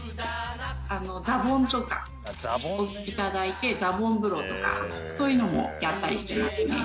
ザボンとかいただいてザボン風呂とかそういうのもやったりしてますね。